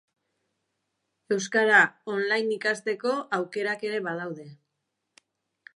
Euskara online ikasteko aukerak ere badaude.